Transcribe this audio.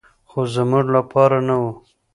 خو زموږ لپاره نه و.